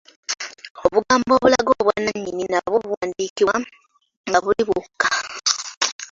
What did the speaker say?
Obugambo obulaga obwannannyini nabwo buwandiikibwa nga buli bwokka.